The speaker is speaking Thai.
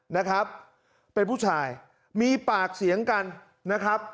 นะครับเป็นผู้ชายมีปากเสียงกันนะครับ